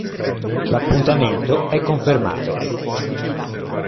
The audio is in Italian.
L'appuntamento è confermato.